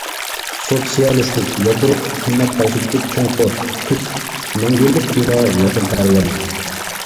سوتسىيالىستىك يادرولۇق قىممەت قارىشىدىكى چوڭقۇر، تۈپ، مەڭگۈلۈك تېما ۋەتەنپەرۋەرلىك.